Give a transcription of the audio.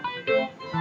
aduh aku bisa